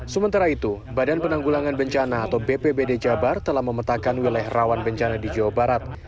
sementara itu badan penanggulangan bencana atau bpbd jabar telah memetakan wilayah rawan bencana di jawa barat